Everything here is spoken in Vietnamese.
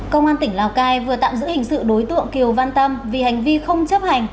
công an tỉnh lào cai vừa tạm giữ hình sự đối tượng kiều văn tâm vì hành vi không chấp hành